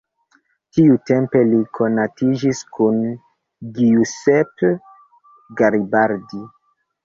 Tiutempe li konatiĝis kun Giuseppe Garibaldi.